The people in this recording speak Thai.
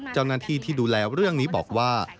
เจ้าหน้าที่ที่ดูแลเรื่องนี้บอกว่า